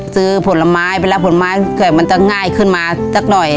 ซื้อผลไม้เวลาผลไม้มันจะง่ายขึ้นมาสักหน่อย